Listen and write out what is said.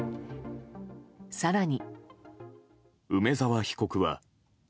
更に。